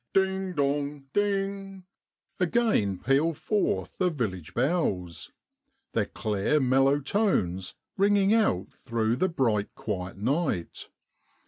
Ding dong ding again peal forth the village bells, their clear mellow tones ringing out through the bright quiet night.